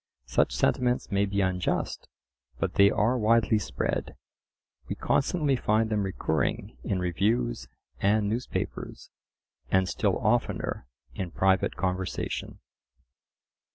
Such sentiments may be unjust, but they are widely spread; we constantly find them recurring in reviews and newspapers, and still oftener in private conversation.